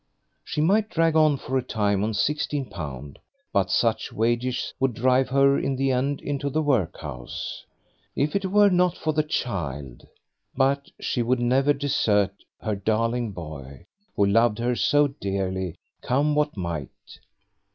She might drag on for a time on sixteen pound, but such wages would drive her in the end into the workhouse. If it were not for the child! But she would never desert her darling boy, who loved her so dearly, come what might.